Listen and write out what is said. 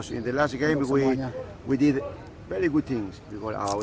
karena di latihan terakhir kita melakukan banyak hal yang sangat baik